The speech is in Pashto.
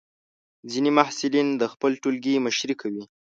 ځینې محصلین د خپل ټولګي مشري کوي.